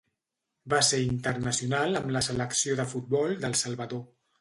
Va ser internacional amb la selecció de futbol del Salvador.